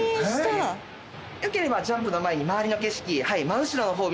よければジャンプの前に周りの景色。